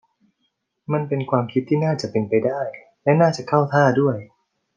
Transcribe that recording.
มันเป็นความคิดที่น่าจะเป็นไปได้และน่าจะเข้าท่าด้วย